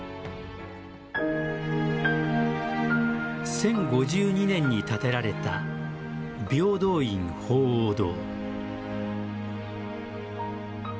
１０５２年に建てられた平等院鳳凰堂。